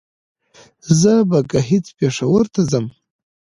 زه به ګهيځ پېښور ته ځم